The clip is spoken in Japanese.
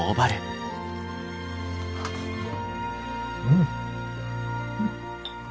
うん！